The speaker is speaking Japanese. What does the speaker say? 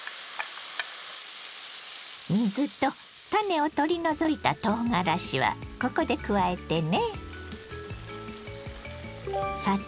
水と種を取り除いたとうがらしはここで加えてね。